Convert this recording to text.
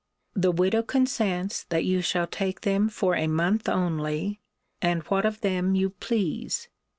The widow consents that you shall take them for a month only, and what of them you please.